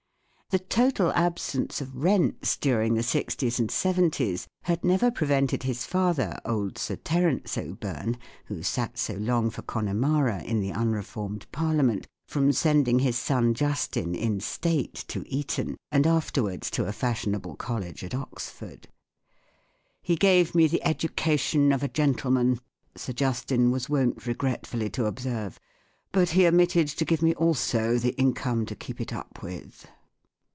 The total absence of rents during the sixties and seventies had never prevented his father, old Sir Terence O'Byrne, who sat so long for Connemara in the unreformed Parliament, from sending his son Justin in state to Eton, and afterwards to a fashionable college at Oxford. 44 He gave me the education of a gentleman," Sir Justin was wont regretfully to observe ; 44 but he omitted to give me also the income to keep it up with."